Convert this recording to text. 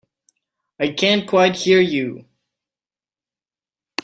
I can't quite hear you.